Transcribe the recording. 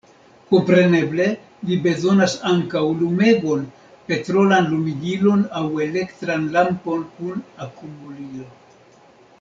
Kompreneble, vi bezonas ankaŭ lumegon – petrolan lumigilon aŭ elektran lampon kun akumulilo.